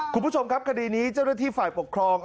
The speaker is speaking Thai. คุณผู้ชมครับคดีนี้เจ้าหน้าที่ฝ่ายปกครอง